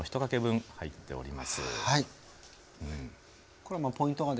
これはポイントがですね